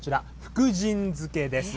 こちら、福神漬です。